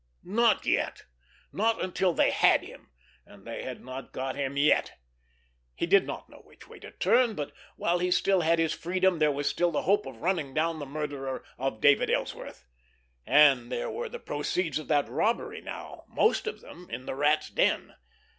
Not yet! Not until they had him, and they had not got him yet! He did not know which way to turn; but while he still had his freedom there was still the hope of running down the murderer of David Ellsworth—and there were the proceeds of that robbery now, most of them, in the Rat's den.